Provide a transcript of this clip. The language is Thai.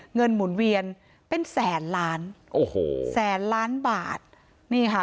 หมุนเวียนเป็นแสนล้านโอ้โหแสนล้านบาทนี่ค่ะ